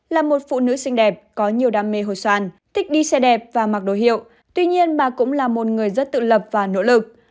là một phụ nữ xinh đẹp có nhiều đam mê hồi soàn thích đi xe đẹp và mặc đồ hiệu tuy nhiên bà cũng là một người rất tự lập và nỗ lực